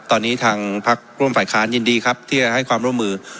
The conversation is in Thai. ตอนนี้ทางพักร่วมฝ่ายค้านยินดีครับที่จะให้ความร่วมมือ